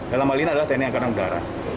dalam hal ini adalah tni angkatan udara